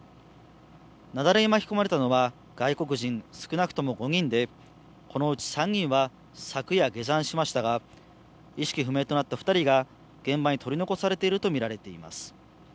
雪崩に巻き込まれたのは、外国人少なくとも５人で、このうち３人は昨夜、下山しましたが、意識不明となった２人が現場に取り残されていると見られています。